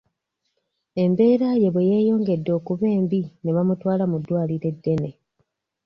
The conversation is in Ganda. Embeera ye bwe yeeyongedde okuba embi ne bamutwala mu ddwaliro eddene.